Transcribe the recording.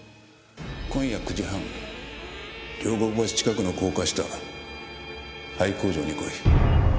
今夜９時半両国橋近くの高架下廃工場に来い。